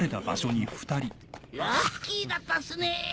ラッキーだったっすね。